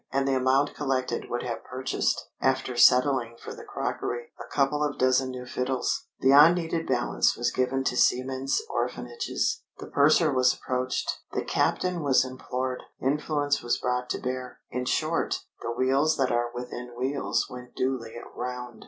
And the amount collected would have purchased, after settling for the crockery, a couple of dozen new fiddles. The unneeded balance was given to seamen's orphanages. The purser was approached. The captain was implored. Influence was brought to bear. In short the wheels that are within wheels went duly round.